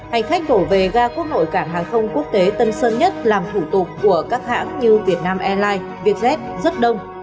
hành khách đổ về ra quốc nội cảng hàng không quốc tế tân sơn nhất làm thủ tục của các hãng như vietnam airlines vietjet rất đông